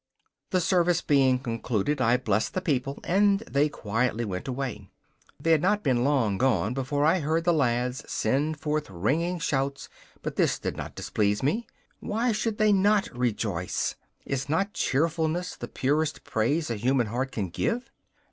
The service being concluded, I blessed the people and they quietly went away. They had not been long gone before I heard the lads send forth ringing shouts, but this did not displease me. Why should they not rejoice? Is not cheerfulness the purest praise a human heart can give?